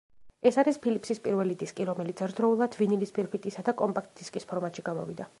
ეს არის ფილიპსის პირველი დისკი, რომელიც ერთდროულად ვინილის ფირფიტისა და კომპაქტ დისკის ფორმატში გამოვიდა.